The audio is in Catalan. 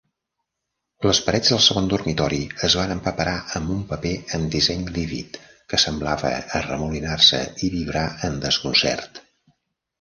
Les parets del segon dormitori es van empaperar amb un paper amb disseny lívid que semblava arremolinar-se i vibrar amb desconcert.